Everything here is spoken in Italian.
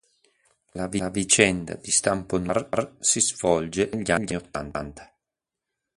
La vicenda di stampo noir si svolge negli anni Ottanta.